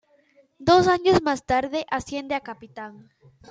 Dos años más tarde asciende a capitán.